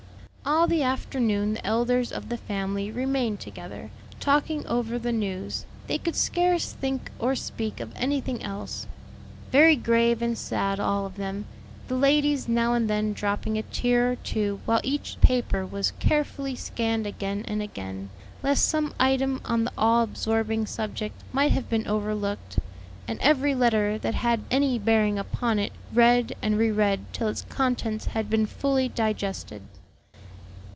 All the afternoon the elders of the family remained together, talking over the news they could scarce think or speak of anything else: very grave and sad all of them, the ladies now and then dropping a tear or two while each paper was carefully scanned again and again, lest some item on the all absorbing subject might have been overlooked, and every letter that had any bearing upon it read and re read till its contents had been fully digested.